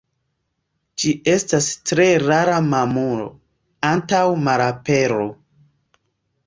Ĝi estas tre rara mamulo, antaŭ malapero.